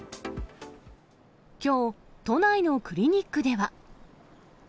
きょう、都内のクリニックでは。